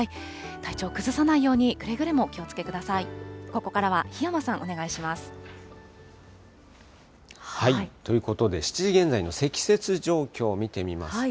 体調を崩さないように、くれぐれもお気をつけください。ということで、７時現在の積雪状況を見てみますと。